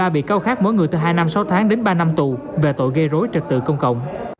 một mươi bị cáo khác mỗi người từ hai năm sáu tháng đến ba năm tù về tội gây rối trật tự công cộng